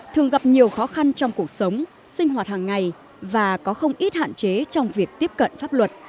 thường gặp nhiều khó khăn trong cuộc sống sinh hoạt hàng ngày và có không ít hạn chế trong việc tiếp cận pháp luật